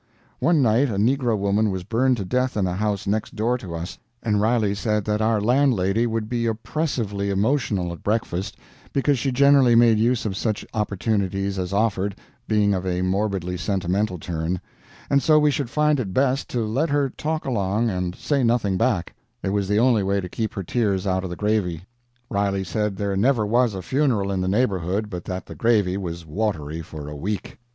One night a negro woman was burned to death in a house next door to us, and Riley said that our landlady would be oppressively emotional at breakfast, because she generally made use of such opportunities as offered, being of a morbidly sentimental turn, and so we should find it best to let her talk along and say nothing back it was the only way to keep her tears out of the gravy. Riley said there never was a funeral in the neighborhood but that the gravy was watery for a week.